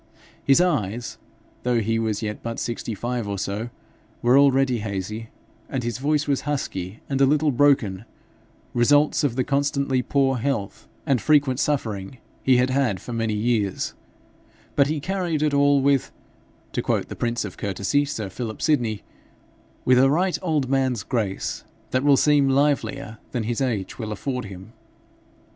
His eyes, though he was yet but sixty five or so, were already hazy, and his voice was husky and a little broken results of the constantly poor health and frequent suffering he had had for many years; but he carried it all 'with' to quote the prince of courtesy, sir Philip Sydney 'with a right old man's grace, that will seem livelier than his age will afford him.'